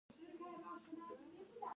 دویم باید مبادلوي ارزښت ولري.